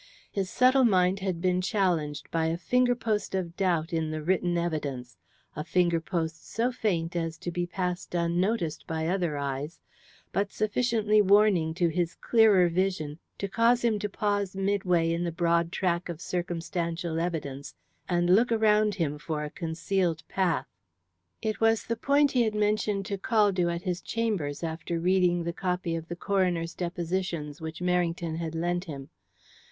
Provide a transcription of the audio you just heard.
His subtle mind had been challenged by a finger post of doubt in the written evidence; a finger post so faint as to be passed unnoticed by other eyes, but sufficiently warning to his clearer vision to cause him to pause midway in the broad track of circumstantial evidence and look around him for a concealed path. It was the point he had mentioned to Caldew at his chambers after reading the copy of the coroner's depositions which Merrington had lent him.